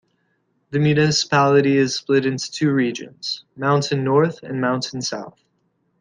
The municipality is split into two regions, Mountain North and Mountain South.